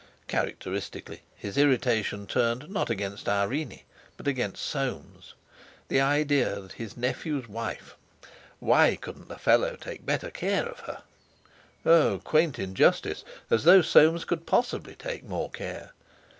Characteristically, his irritation turned not against Irene but against Soames. The idea that his nephew's wife (why couldn't the fellow take better care of her—Oh! quaint injustice! as though Soames could possibly take more care!)